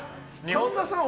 神田さん。